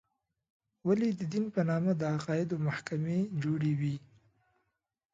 ولې د دین په نامه د عقایدو محکمې جوړې وې.